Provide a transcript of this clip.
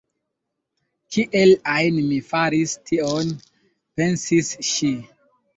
“Kiel ajn mi faris tion?” pensis ŝi.